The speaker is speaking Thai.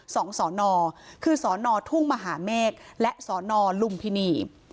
สอนสอนอคือสอนอทุ่งมหาเมฆและสนลุมพินี